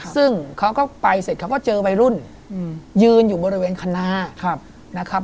ซึ่งเขาก็ไปเสร็จเขาก็เจอวัยรุ่นยืนอยู่บริเวณคณานะครับ